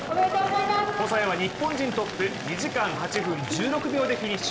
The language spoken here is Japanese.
細谷は日本人トップ２時間８分１６秒でフィニッシュ。